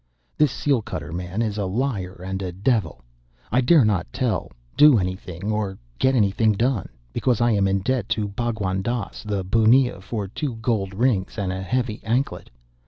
This seal cutter man is a liar and a devil. I dare not tell, do anything, or get anything done, because I am in debt to Bhagwan Dass the bunnia for two gold rings and a heavy anklet.